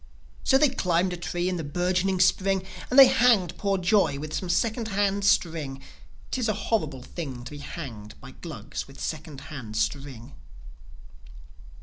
So, they climbed a tree in the bourgeoning Spring, And they hanged poor Joi with some second hand string. 'Tis a horrible thing To be hanged by Glugs with second hand string.